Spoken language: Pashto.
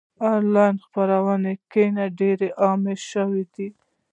د انلاین خپرونو کتنه ډېر عامه شوې ده.